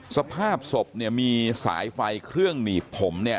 สภาพศพมีสายไฟเครื่องหนีบผม